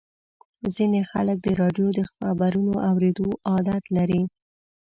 ځینې خلک د راډیو د خبرونو اورېدو عادت لري.